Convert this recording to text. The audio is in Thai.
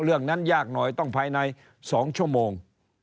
เรื่องนั้นยากหน่อยต้องภายใน๒ชั่วโมง